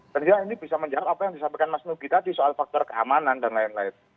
tentunya ini bisa menjawab apa yang disampaikan mas nugi tadi soal faktor keamanan dan lain lain